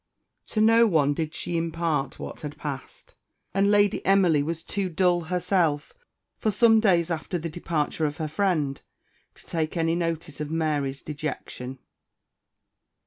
To no one did she impart what had passed; and Lady Emily was too dull herself, for some days after the departure of her friend, to take any notice of Mary's dejection.